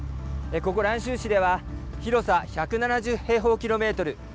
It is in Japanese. ここ、蘭州市では広さ１７０平方キロメートル。